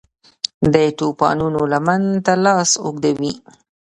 د توپانونو لمن ته لاس اوږدوي